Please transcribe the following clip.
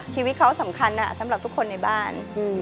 ชีวิตเขาสำคัญสำหรับทุกคนในบ้าน